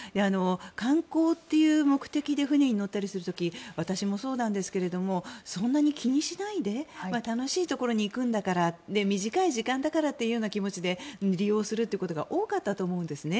観光という目的で船に乗ったりする時に私もそうなんですけどそんなに気にしないで楽しいところに行くんだから短い時間だからという気持ちで利用することが多かったと思うんですね。